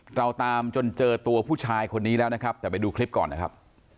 เราตามจนเจอตัวผู้ชายคนนี้แล้วนะครับแต่ไปดูคลิปก่อนนะครับ